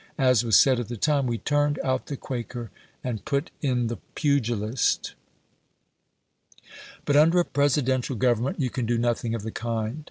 As was said at the time, "We turned out the Quaker, and put in the pugilist". But under a Presidential government you can do nothing of the kind.